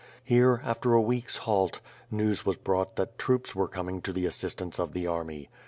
Here, after a week's halt, news was brought that troops were coming to the assistance of the army.